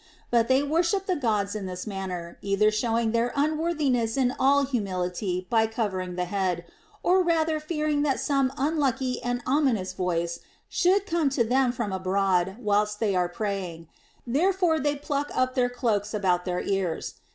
But they worship the Gods in this man ner, either showing their unworthiness in all humility by the covering of the head, or rather fearing that some un lucky and ominous voice should come to them from abroad whilst they are praying ; therefore they pluck up their cloaks about their ears.